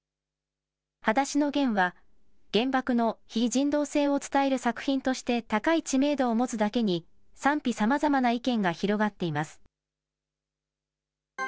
はだしのゲンは原爆の非人道性を伝える作品として、高い知名度を持つだけに、賛否さまざまな意見が広がっています。